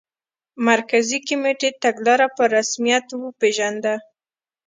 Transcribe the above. مرکزي کمېټې تګلاره په رسمیت وپېژنده.